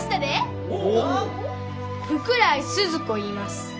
福来スズ子いいます。